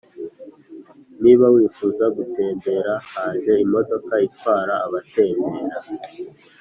Niba wifuza gutembera haje imodoka itwara abatembera